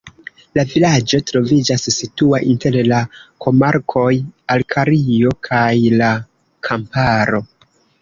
La vilaĝo troviĝas situa inter la komarkoj Alkario kaj la Kamparo.